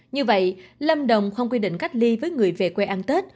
như vậy lâm đồng không quy định cách ly với người về quê ăn tết